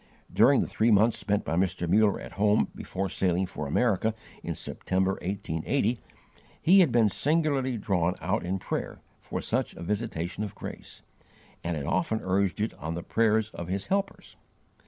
During the three months spent by Mr. Muller at home before sailing for America in September, 1880, he had been singularly drawn out in prayer for such a visitation of grace, and had often urged it on the prayers of his helpers.